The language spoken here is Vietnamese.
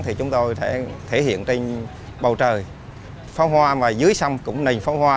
thì chúng tôi sẽ thể hiện trên bầu trời pháo hoa và dưới sông cũng nền pháo hoa